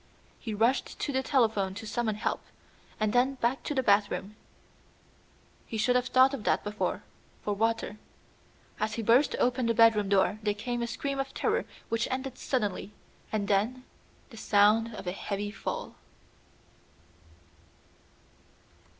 He rushed to the telephone to summon help, and then back to the bathroom he should have thought of that before for water. As he burst open the bedroom door there came a scream of terror which ended suddenly, and then the sound of a heavy fall.